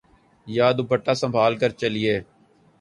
یا دوپٹہ سنبھال کر چلئے